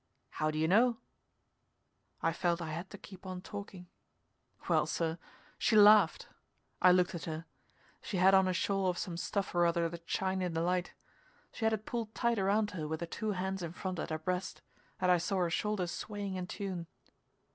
"How do you know?" I felt I had to keep on talking. Well, sir she laughed. I looked at her. She had on a shawl of some stuff or other that shined in the light; she had it pulled tight around her with her two hands in front at her breast, and I saw her shoulders swaying in tune.